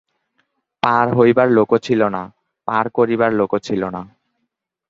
পার হইবার লোকও ছিল না, পার করিবার লোকও ছিল না।